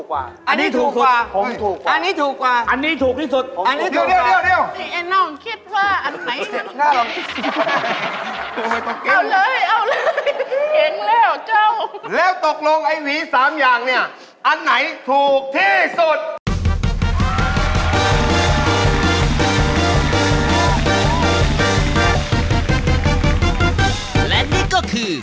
วิแปลงราคาถูกจริงเฮ้ย